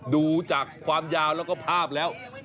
ดูจากความยาวแล้วก็ภาพแล้ว